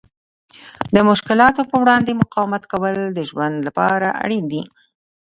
د مشکلاتو په وړاندې مقاومت کول د ژوند لپاره اړین دي.